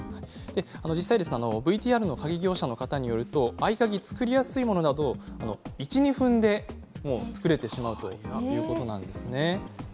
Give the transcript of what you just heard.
実際ＶＴＲの鍵業者の方によると合鍵、作りやすいものですと１、２分で作ることができるということなんですね。